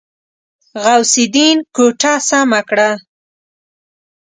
غوث الدين کوټه سمه کړه.